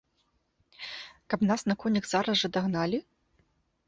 Каб нас на конях зараз жа дагналі?